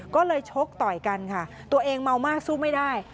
ก็เลยชกต่อยกันค่ะตัวเองเมามากสู้ไม่ได้